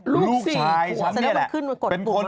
ลูกชายฉันเนี่ยแหละ